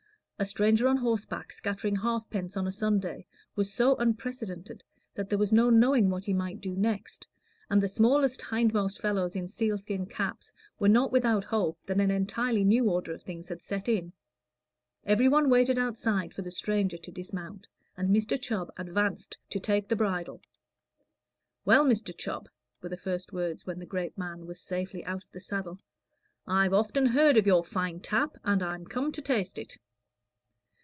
A stranger on horseback scattering half pence on a Sunday was so unprecedented that there was no knowing what he might do next; and the smallest hindmost fellows in sealskin caps were not without hope that an entirely new order of things had set in. Everyone waited outside for the stranger to dismount, and Mr. Chubb advanced to take the bridle. "Well, Mr. Chubb," were the first words when the great man was safely out of the saddle, "I've often heard of your fine tap, and I'm come to taste it."